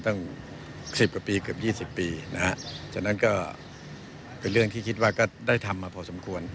ที่เป็นเรื่องที่คิดว่าก็ได้ทำมาพอสมควร